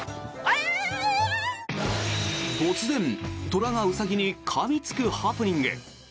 突然、虎がウサギにかみつくハプニング。